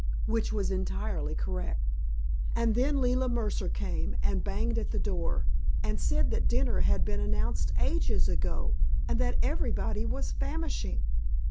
Which was entirely correct. And then Leila Mercer came and banged at the door and said that dinner had been announced ages ago and that everybody was famishing.